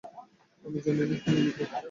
আমি জানি না কী লিখবি।